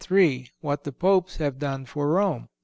What The Popes Have Done For Rome.